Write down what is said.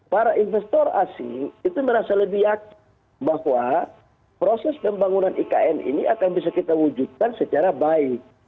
para investor asing itu merasa lebih yakin bahwa proses pembangunan ikn ini akan bisa kita wujudkan secara baik